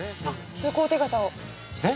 通行手形をえっ？